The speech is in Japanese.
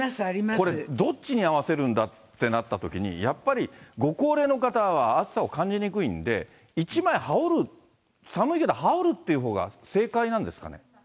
これ、どっちに合わせるんだってなったときに、やっぱりご高齢の方は暑さを感じにくいんで、１枚羽織る、寒いけど羽織るっていうほうが正解なんですかね？